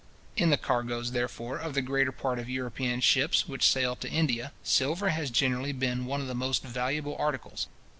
In the cargoes, therefore, of the greater part of European ships which sail to India, silver has generally been one of the most valuable articles.